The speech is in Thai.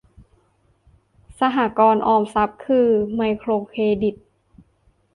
สหกรณ์ออมทรัพย์ คือไมโครเครดิต